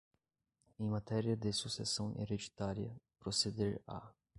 em matéria de sucessão hereditária, proceder à